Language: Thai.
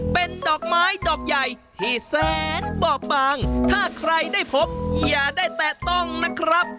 เป็นดอกไม้ดอกใหญ่ที่แสนบ่อบางถ้าใครได้พบอย่าได้แตะต้องนะครับ